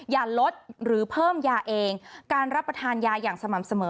อย่าลดหรือเพิ่มยาเองการรับประทานยาอย่างสม่ำเสมอ